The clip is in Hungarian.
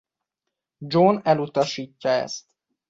John elutasítja ezt.